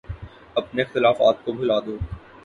اپنے اختلافات کو بھلا دو۔